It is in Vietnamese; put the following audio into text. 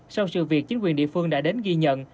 sau sự việc chính quyền địa phương đã đến ghi nhận